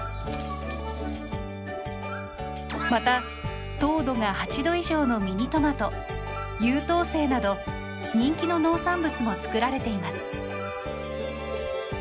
また糖度が８度以上のミニトマト優糖星など人気の農産物も作られています。